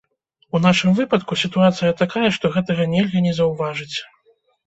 У нашым выпадку сітуацыя такая, што гэтага нельга не заўважыць.